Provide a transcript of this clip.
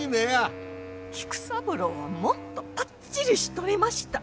菊三郎はもっとパッチリしとりました。